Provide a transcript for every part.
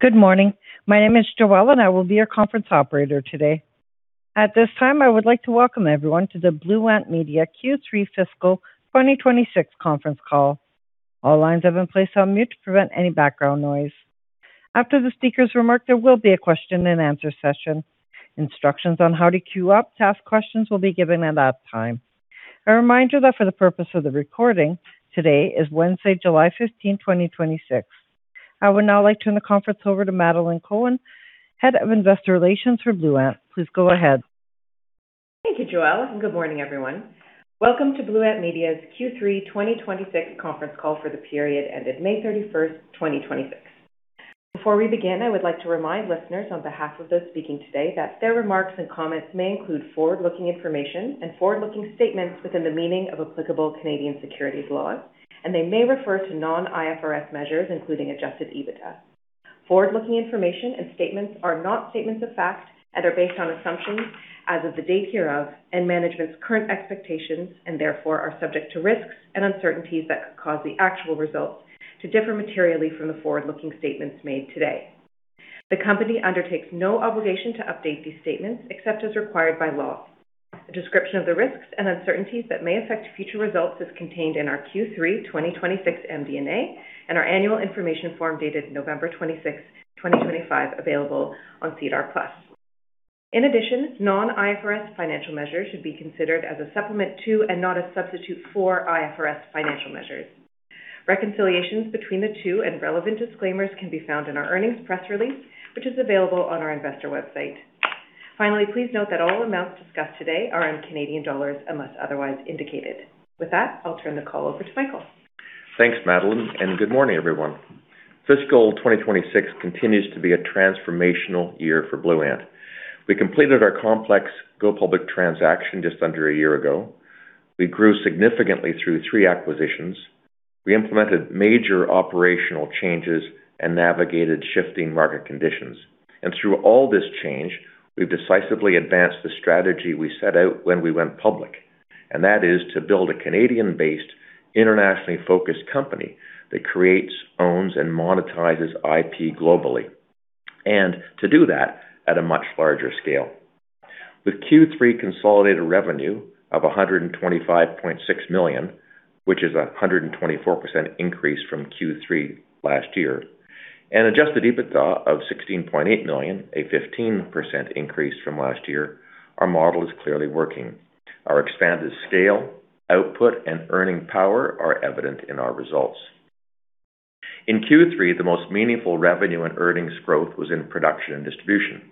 Good morning. My name is Joelle, and I will be your conference operator today. At this time, I would like to welcome everyone to the Blue Ant Media Q3 Fiscal 2026 conference call. All lines have been placed on mute to prevent any background noise. After the speaker's remarks, there will be a question and answer session. Instructions on how to queue up to ask questions will be given at that time. A reminder that for the purpose of the recording, today is Wednesday, July 15, 2026. I would now like to turn the conference over to Madeleine Cohen, Head of Investor Relations for Blue Ant. Please go ahead. Thank you, Joelle, and good morning, everyone. Welcome to Blue Ant Media's Q3 2026 conference call for the period ended May 31st, 2026. Before we begin, I would like to remind listeners on behalf of those speaking today that their remarks and comments may include forward-looking information and forward-looking statements within the meaning of applicable Canadian securities law. They may refer to non-IFRS measures, including Adjusted EBITDA. Forward-looking information and statements are not statements of fact and are based on assumptions as of the date hereof and management's current expectations. Therefore are subject to risks and uncertainties that could cause the actual results to differ materially from the forward-looking statements made today. The company undertakes no obligation to update these statements except as required by law. A description of the risks and uncertainties that may affect future results is contained in our Q3 2026 MD&A and our annual information form dated November 26, 2025, available on SEDAR+. Non-IFRS financial measures should be considered as a supplement to and not a substitute for IFRS financial measures. Reconciliations between the two and relevant disclaimers can be found in our earnings press release, which is available on our investor website. Please note that all amounts discussed today are in Canadian dollars unless otherwise indicated. With that, I'll turn the call over to Michael. Thanks, Madeleine, and good morning, everyone. Fiscal 2026 continues to be a transformational year for Blue Ant. We completed our complex go-public transaction just under a year ago. We grew significantly through three acquisitions. We implemented major operational changes and navigated shifting market conditions. Through all this change, we've decisively advanced the strategy we set out when we went public. That is to build a Canadian-based, internationally focused company that creates, owns, and monetizes IP globally. To do that at a much larger scale. With Q3 consolidated revenue of 125.6 million, which is a 124% increase from Q3 last year, and Adjusted EBITDA of 16.8 million, a 15% increase from last year, our model is clearly working. Our expanded scale, output, and earning power are evident in our results. In Q3, the most meaningful revenue and earnings growth was in production and distribution.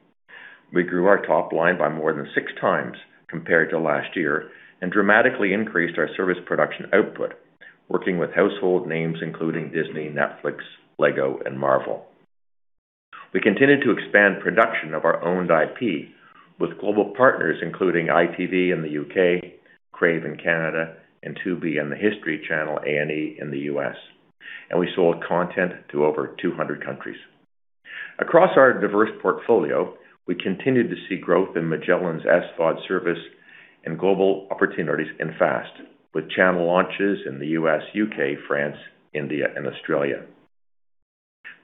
We grew our top line by more than six times compared to last year dramatically increased our service production output, working with household names including Disney, Netflix, Lego, and Marvel. We continued to expand production of our owned IP with global partners including ITVX in the U.K., Crave in Canada, Tubi and The HISTORY Channel/A&E in the U.S. We sold content to over 200 countries. Across our diverse portfolio, we continued to see growth in MagellanTV's SVOD service and global opportunities in FAST, with channel launches in the U.S., U.K., France, India, and Australia.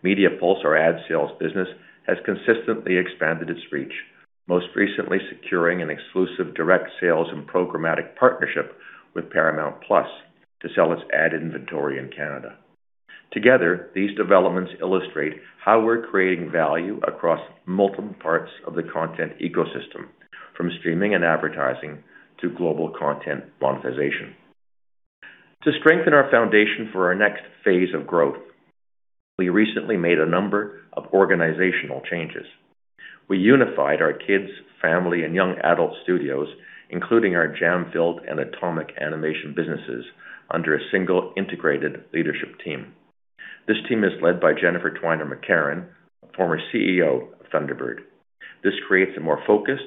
Media Pulse, our ad sales business, has consistently expanded its reach, most recently securing an exclusive direct sales and programmatic partnership with Paramount+ to sell its ad inventory in Canada. Together these developments illustrate how we're creating value across multiple parts of the content ecosystem, from streaming and advertising to global content monetization. To strengthen our foundation for our next phase of growth, we recently made a number of organizational changes. We unified our Kids, Family & Young A studios, including our Jam Filled Entertainment and Atomic Cartoons businesses, under a single integrated leadership team. This team is led by Jennifer Twiner McCarron, former CEO of Thunderbird Entertainment. This creates a more focused,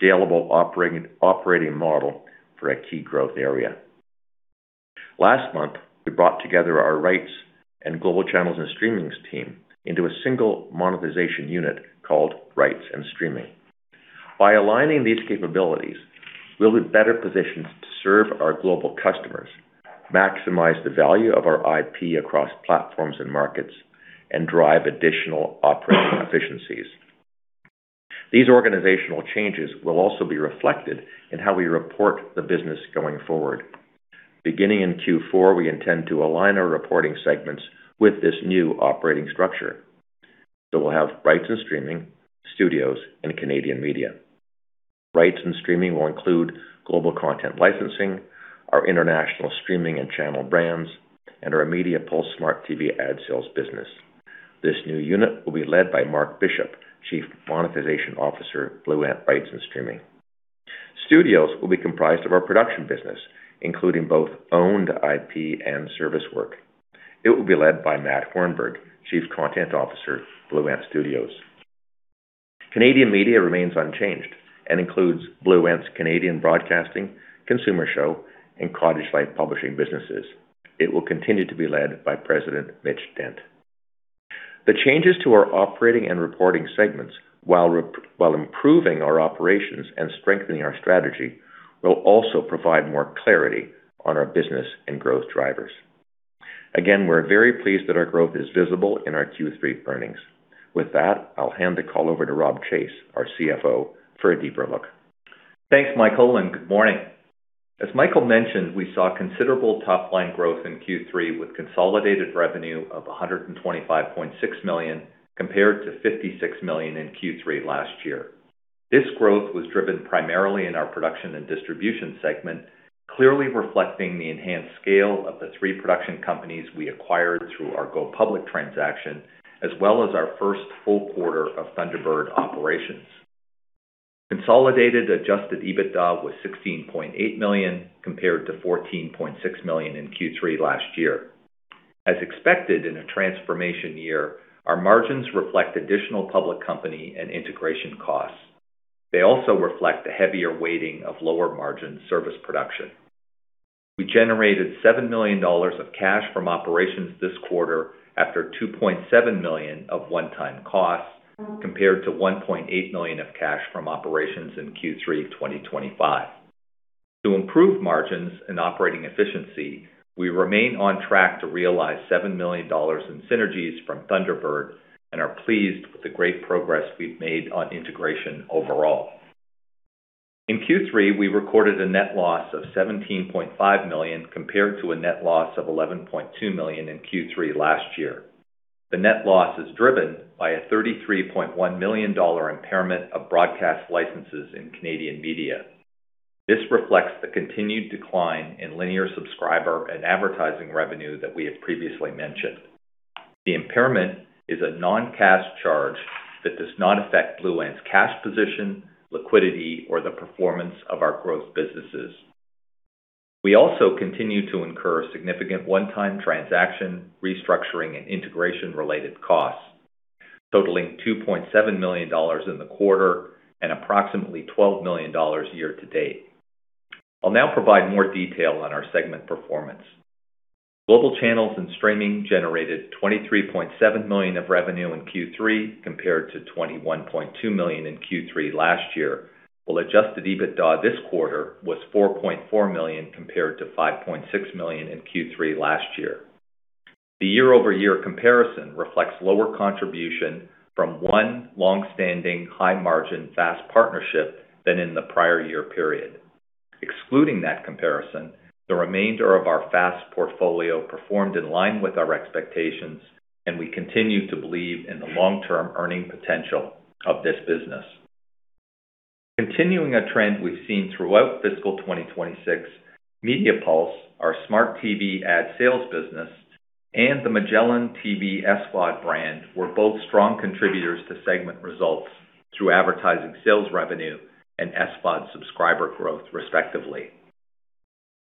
scalable operating model for a key growth area. Last month, we brought together our rights and global channels and streaming team into a single monetization unit called Rights & Streaming. Aligning these capabilities, we'll be better positioned to serve our global customers, maximize the value of our IP across platforms and markets, and drive additional operating efficiencies. These organizational changes will also be reflected in how we report the business going forward. Beginning in Q4, we intend to align our reporting segments with this new operating structure, we'll have Rights & Streaming, Studios, and Canadian Media. Rights & Streaming will include global content licensing, our international streaming and channel brands, and our Media Pulse smart TV ad sales business. This new unit will be led by Mark Bishop, Chief Monetization Officer, Blue Ant Rights & Streaming. Studios will be comprised of our production business, including both owned IP and service work. It will be led by Matt Hornburg, Chief Content Officer, Blue Ant Studios. Canadian Media remains unchanged and includes Blue Ant's Canadian broadcasting, consumer show, and Cottage Life publishing businesses. It will continue to be led by President Mitch Dent. The changes to our operating and reporting segments, while improving our operations and strengthening our strategy, will also provide more clarity on our business and growth drivers. We're very pleased that our growth is visible in our Q3 earnings. I'll hand the call over to Robb Chase, our CFO, for a deeper look. Thanks, Michael, and good morning. As Michael mentioned, we saw considerable top-line growth in Q3 with consolidated revenue of 125.6 million compared to 56 million in Q3 last year. This growth was driven primarily in our production and distribution segment, clearly reflecting the enhanced scale of the three production companies we acquired through our go public transaction, as well as our first full quarter of Thunderbird operations. Consolidated Adjusted EBITDA was 16.8 million compared to 14.6 million in Q3 last year. As expected in a transformation year, our margins reflect additional public company and integration costs. They also reflect a heavier weighting of lower-margin service production. We generated 7 million dollars of cash from operations this quarter after 2.7 million of one-time costs compared to 1.8 million of cash from operations in Q3 2025. To improve margins and operating efficiency, we remain on track to realize 7 million dollars in synergies from Thunderbird and are pleased with the great progress we've made on integration overall. In Q3, we recorded a net loss of 17.5 million compared to a net loss of 11.2 million in Q3 last year. The net loss is driven by a 33.1 million dollar impairment of broadcast licenses in Canadian Media. This reflects the continued decline in linear subscriber and advertising revenue that we have previously mentioned. The impairment is a non-cash charge that does not affect Blue Ant's cash position, liquidity, or the performance of our growth businesses. We also continue to incur significant one-time transaction, restructuring, and integration-related costs totaling 2.7 million dollars in the quarter and approximately 12 million dollars year-to-date. I'll now provide more detail on our segment performance. Global Channels and Streaming generated 23.7 million of revenue in Q3 compared to 21.2 million in Q3 last year, while Adjusted EBITDA this quarter was 4.4 million compared to 5.6 million in Q3 last year. The year-over-year comparison reflects lower contribution from one long-standing, high-margin FAST partnership than in the prior year period. Excluding that comparison, the remainder of our FAST portfolio performed in line with our expectations, and we continue to believe in the long-term earning potential of this business. Continuing a trend we've seen throughout fiscal 2026, Media Pulse, our smart TV ad sales business, and the MagellanTV SVOD brand were both strong contributors to segment results through advertising sales revenue and SVOD subscriber growth, respectively.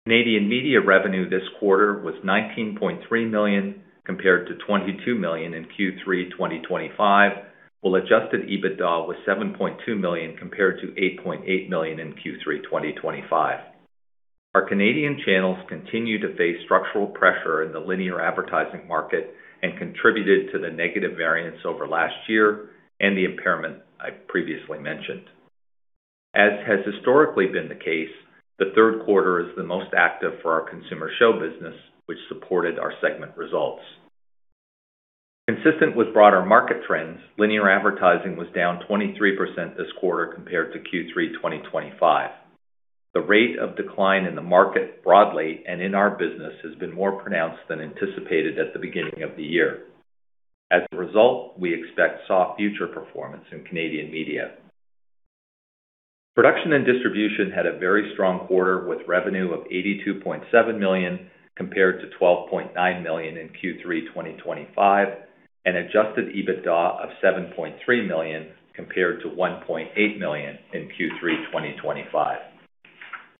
Canadian Media revenue this quarter was 19.3 million compared to 22 million in Q3 2025, while Adjusted EBITDA was 7.2 million compared to 8.8 million in Q3 2025. Our Canadian channels continue to face structural pressure in the linear advertising market and contributed to the negative variance over last year and the impairment I previously mentioned. As has historically been the case, the third quarter is the most active for our consumer show business, which supported our segment results. Consistent with broader market trends, linear advertising was down 23% this quarter compared to Q3 2025. The rate of decline in the market broadly and in our business has been more pronounced than anticipated at the beginning of the year. As a result, we expect soft future performance in Canadian Media. Production and distribution had a very strong quarter with revenue of 82.7 million compared to 12.9 million in Q3 2025 and Adjusted EBITDA of 7.3 million compared to 1.8 million in Q3 2025.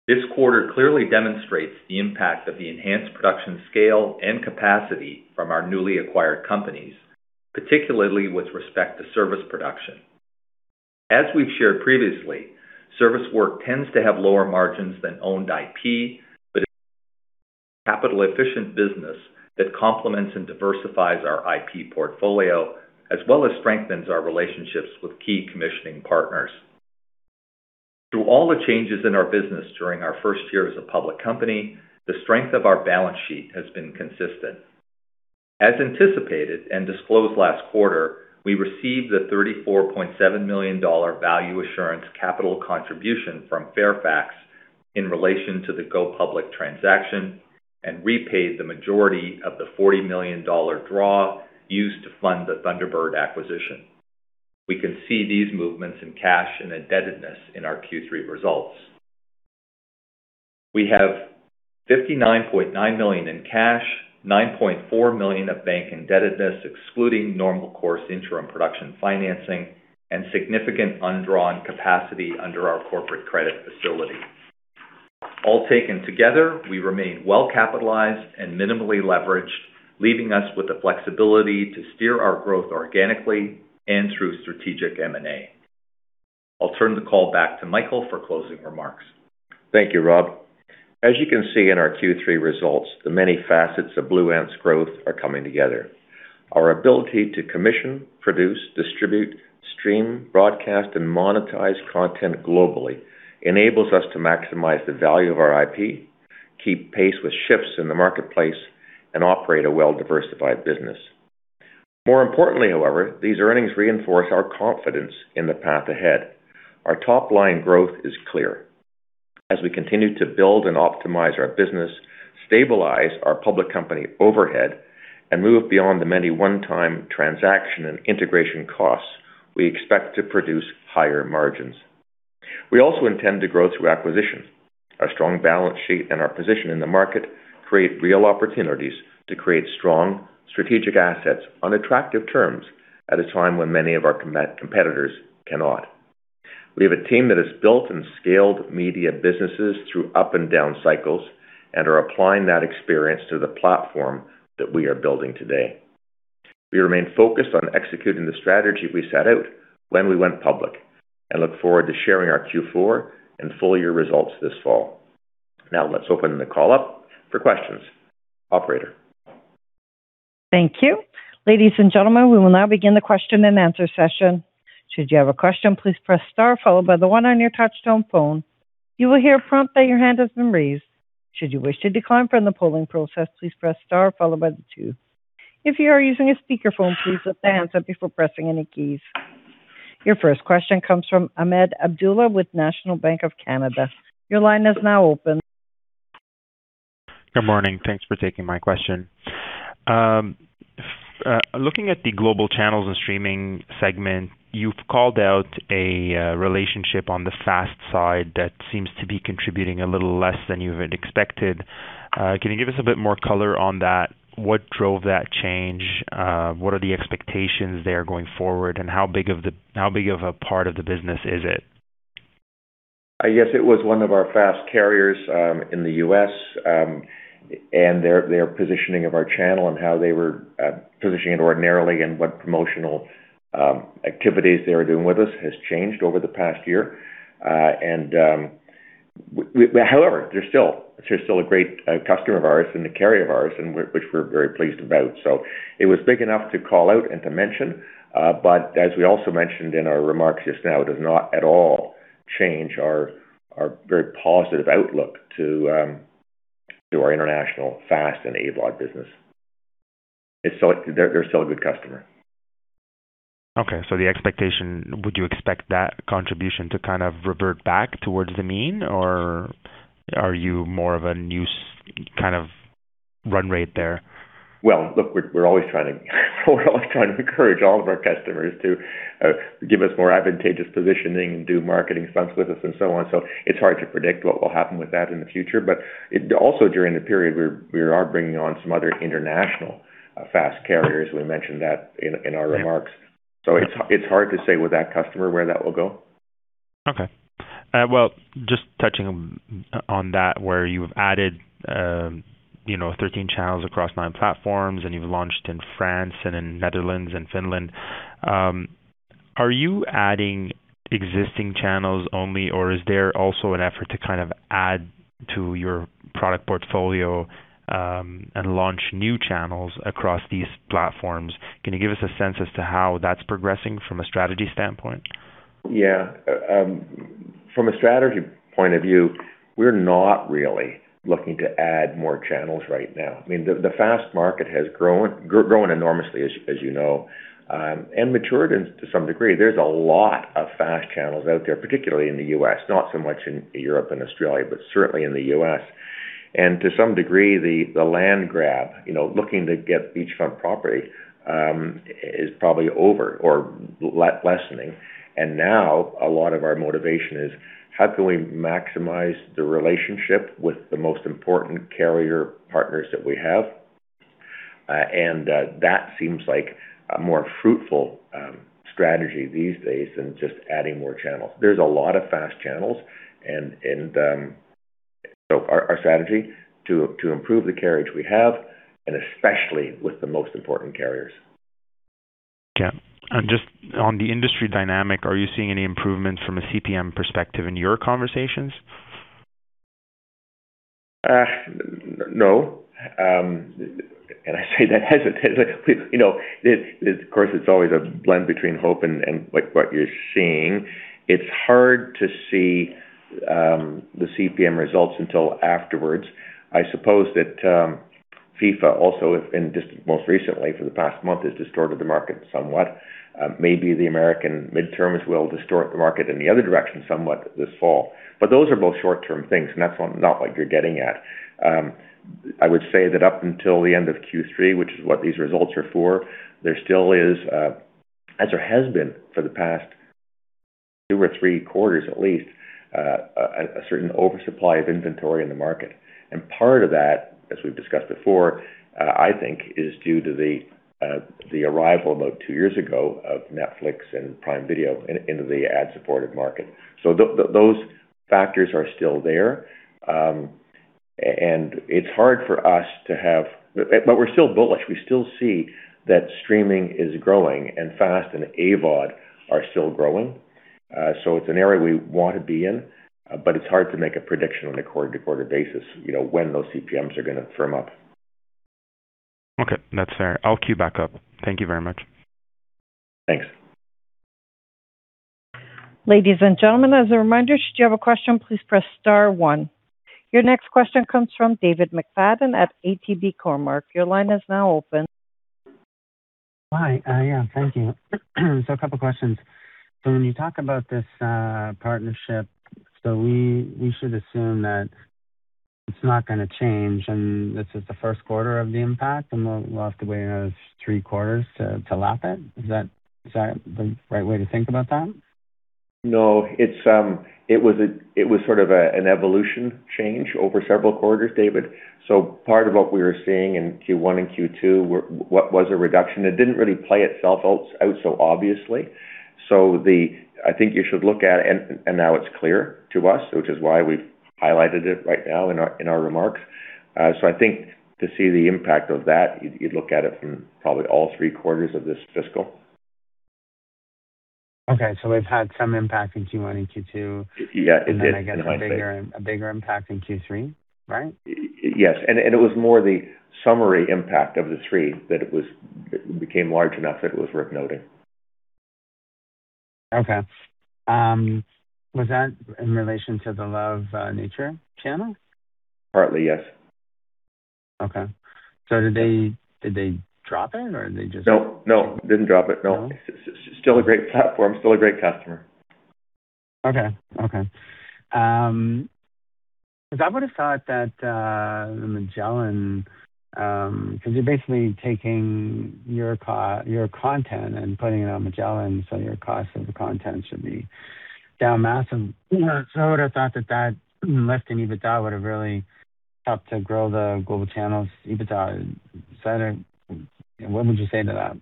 This quarter clearly demonstrates the impact of the enhanced production scale and capacity from our newly acquired companies, particularly with respect to service production. As we've shared previously, service work tends to have lower margins than owned IP, but a capital-efficient business that complements and diversifies our IP portfolio as well as strengthens our relationships with key commissioning partners. Through all the changes in our business during our first year as a public company, the strength of our balance sheet has been consistent. As anticipated and disclosed last quarter, we received the 34.7 million dollar value assurance capital contribution from Fairfax in relation to the go-public transaction and repaid the majority of the 40 million dollar draw used to fund the Thunderbird acquisition. We can see these movements in cash and indebtedness in our Q3 results. We have 59.9 million in cash, 9.4 million of bank indebtedness excluding normal course interim production financing, and significant undrawn capacity under our corporate credit facility. All taken together, we remain well capitalized and minimally leveraged, leaving us with the flexibility to steer our growth organically and through strategic M&A. I'll turn the call back to Michael for closing remarks. Thank you, Robb. As you can see in our Q3 results, the many facets of Blue Ant's growth are coming together. Our ability to commission, produce, distribute, stream, broadcast, and monetize content globally enables us to maximize the value of our IP, keep pace with shifts in the marketplace, and operate a well-diversified business. More importantly, however, these earnings reinforce our confidence in the path ahead. Our top-line growth is clear. As we continue to build and optimize our business, stabilize our public company overhead, and move beyond the many one-time transaction and integration costs, we expect to produce higher margins. We also intend to grow through acquisition. Our strong balance sheet and our position in the market create real opportunities to create strong strategic assets on attractive terms at a time when many of our competitors cannot. We have a team that has built and scaled media businesses through up and down cycles and are applying that experience to the platform that we are building today. We remain focused on executing the strategy we set out when we went public and look forward to sharing our Q4 and full-year results this fall. Now let's open the call up for questions. Operator? Thank you. Ladies and gentlemen, we will now begin the question and answer session. Should you have a question, please press star followed by the one on your touchtone phone. You will hear a prompt that your hand has been raised. Should you wish to decline from the polling process, please press star followed by the two. If you are using a speakerphone, please lift the hands up before pressing any keys. Your first question comes from Ahmed Abdullah with National Bank of Canada. Your line is now open. Good morning. Thanks for taking my question. Looking at the global channels and streaming segment, you've called out a relationship on the FAST side that seems to be contributing a little less than you had expected. Can you give us a bit more color on that? What drove that change? What are the expectations there going forward, and how big of a part of the business is it? Yes, it was one of our FAST carriers in the U.S., their positioning of our channel and how they were positioning it ordinarily and what promotional activities they were doing with us has changed over the past year. However, they're still a great customer of ours and a carrier of ours, which we're very pleased about. It was big enough to call out and to mention, as we also mentioned in our remarks just now, it does not at all change our very positive outlook to our international FAST and AVOD business. They're still a good customer. Okay, the expectation, would you expect that contribution to revert back towards the mean? Or are you more of a new run rate there? Look, we're always trying to encourage all of our customers to give us more advantageous positioning and do marketing stunts with us and so on. It's hard to predict what will happen with that in the future. Also during the period, we are bringing on some other international FAST carriers. We mentioned that in our remarks. It's hard to say with that customer where that will go. Just touching on that, where you've added 13 channels across nine platforms and you've launched in France and in Netherlands and Finland. Are you adding existing channels only, or is there also an effort to add to your product portfolio and launch new channels across these platforms? Can you give us a sense as to how that's progressing from a strategy standpoint? From a strategy point of view, we're not really looking to add more channels right now. The FAST market has grown enormously, as you know, and matured to some degree. There's a lot of FAST channels out there, particularly in the U.S., not so much in Europe and Australia, but certainly in the U.S. To some degree, the land grab, looking to get beachfront property, is probably over or lessening. Now a lot of our motivation is how can we maximize the relationship with the most important carrier partners that we have? That seems like a more fruitful strategy these days than just adding more channels. There's a lot of FAST channels. Our strategy to improve the carriage we have, and especially with the most important carriers. Just on the industry dynamic, are you seeing any improvements from a CPM perspective in your conversations? No. I say that hesitantly. Of course, it's always a blend between hope and what you're seeing. It's hard to see the CPM results until afterwards. I suppose that FIFA also, and just most recently for the past month, has distorted the market somewhat. Maybe the American midterms will distort the market in the other direction somewhat this fall. Those are both short-term things, and that's not what you're getting at. I would say that up until the end of Q3, which is what these results are for, there still is, as there has been for the past two or three quarters at least, a certain oversupply of inventory in the market. Part of that, as we've discussed before, I think is due to the arrival about two years ago of Netflix and Prime Video into the ad-supported market. Those factors are still there. We're still bullish. We still see that streaming is growing and FAST and AVOD are still growing. It's an area we want to be in, but it's hard to make a prediction on a quarter-to-quarter basis, when those CPMs are going to firm up. Okay. That's fair. I'll queue back up. Thank you very much. Thanks. Ladies and gentlemen, as a reminder, should you have a question, please press star one. Your next question comes from David McFadgen at ATB Cormark. Your line is now open. Hi. Yeah, thank you. A couple questions. When you talk about this partnership, we should assume that it's not going to change, and this is the first quarter of the impact, and we'll have to wait another three quarters to lap it? Is that the right way to think about that? No, it was sort of an evolution change over several quarters, David. Part of what we were seeing in Q1 and Q2 was a reduction. It didn't really play itself out so obviously. I think you should look at it, and now it's clear to us, which is why we've highlighted it right now in our remarks. I think to see the impact of that, you'd look at it from probably all three quarters of this fiscal. Okay. We've had some impact in Q1 and Q2? Yeah, it did. I get a bigger impact in Q3, right? Yes. It was more the summary impact of the three that it became large enough that it was worth noting. Okay. Was that in relation to the Love Nature channel? Partly, yes. Okay. Did they drop it or did they just- No, didn't drop it, no. No? Still a great platform, still a great customer. Okay. Because I would've thought that the MagellanTV, because you're basically taking your content and putting it on MagellanTV, so your cost of the content should be down massive. I would've thought that that lift in EBITDA would've really helped to grow the global channels EBITDA side. What would you say to that?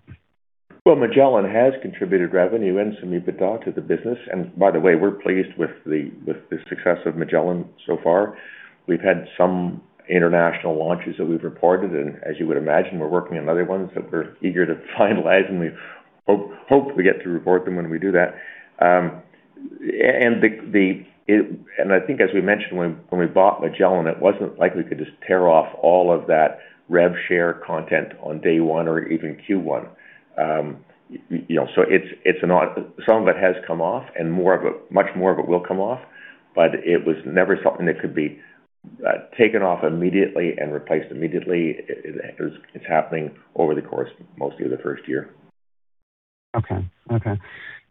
MagellanTV has contributed revenue and some EBITDA to the business, and by the way, we're pleased with the success of MagellanTV so far. We've had some international launches that we've reported. As you would imagine, we're working on other ones that we're eager to finalize, and we hope we get to report them when we do that. I think as we mentioned, when we bought MagellanTV, it wasn't like we could just tear off all of that rev share content on day one or even Q1. Some of it has come off and much more of it will come off, but it was never something that could be taken off immediately and replaced immediately. It's happening over the course, mostly of the first year. Okay.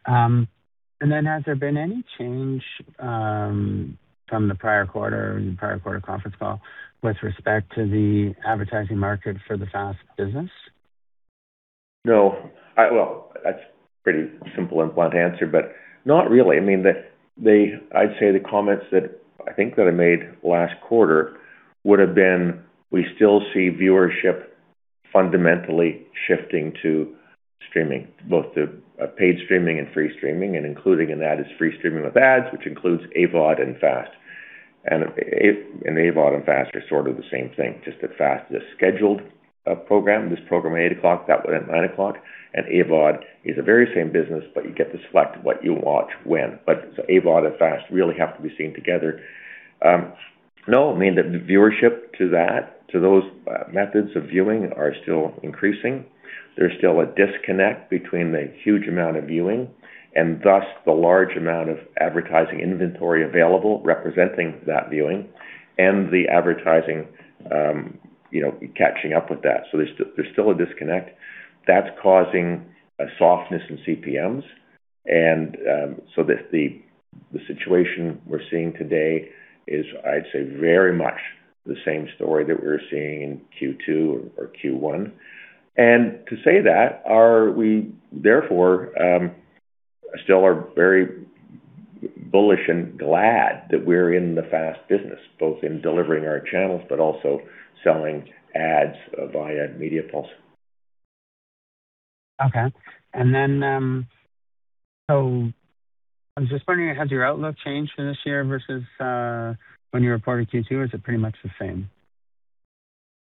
Has there been any change from the prior quarter or the prior quarter conference call with respect to the advertising market for the FAST business? No. That's pretty simple and blunt answer, but not really. I'd say the comments that I think that I made last quarter would've been. We still see viewership fundamentally shifting to streaming, both the paid streaming and free streaming, and including in that is free streaming with ads, which includes AVOD and FAST. AVOD and FAST are sort of the same thing, just that FAST is a scheduled program. This program at 8:00, that one at 9:00. AVOD is the very same business, but you get to select what you watch when. AVOD and FAST really have to be seen together. The viewership to those methods of viewing are still increasing. There's still a disconnect between the huge amount of viewing and thus the large amount of advertising inventory available representing that viewing and the advertising catching up with that. There's still a disconnect. That's causing a softness in CPMs, and the situation we're seeing today is, I'd say, very much the same story that we were seeing in Q2 or Q1. To say that, therefore, still are very bullish and glad that we're in the FAST business, both in delivering our channels but also selling ads via Media Pulse. Okay. I was just wondering, has your outlook changed for this year versus when you reported Q2? Or is it pretty much the same?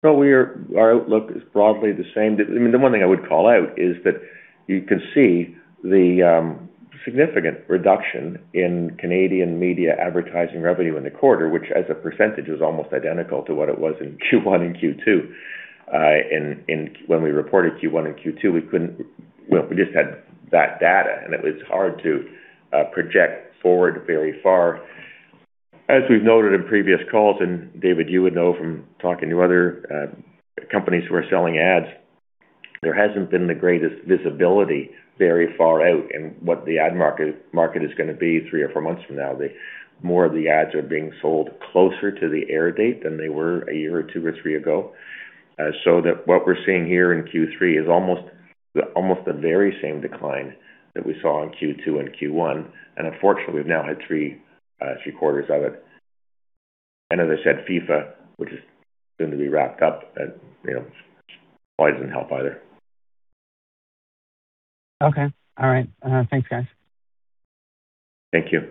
Our outlook is broadly the same. The one thing I would call out is that you can see the significant reduction in Canadian media advertising revenue in the quarter, which as a percentage is almost identical to what it was in Q1 and Q2. When we reported Q1 and Q2, we just had that data, and it was hard to project forward very far. As we've noted in previous calls, David, you would know from talking to other companies who are selling ads, there hasn't been the greatest visibility very far out in what the ad market is going to be three or four months from now. More of the ads are being sold closer to the air date than they were a year or two or three ago. What we're seeing here in Q3 is almost the very same decline that we saw in Q2 and Q1, unfortunately, we've now had three quarters of it. As I said, FIFA, which is soon to be wrapped up, that probably doesn't help either. Okay. All right. Thanks, guys. Thank you.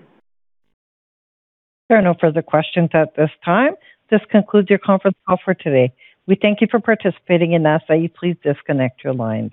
There are no further questions at this time. This concludes your conference call for today. We thank you for participating and ask that you please disconnect your lines.